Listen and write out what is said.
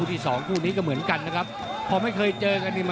เลื้องอยากโหง